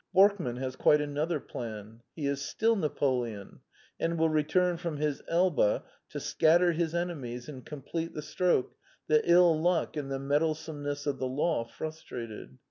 Borkman has quite another plan. He is still Napoleon, and will return from his Elba to scat ter his enemies and complete the stroke that ill luck and the meddlesomeness of the law frus trated.